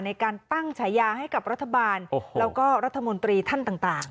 ในการตั้งฉายาให้กับรัฐบาลแล้วก็รัฐมนตรีท่านต่าง